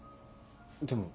でも。